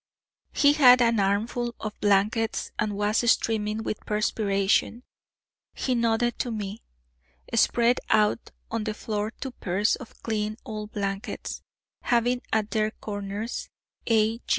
He had an armful of blankets, and was streaming with perspiration. He nodded to me, spread out on the floor two pairs of clean old blankets, having at their corners "A.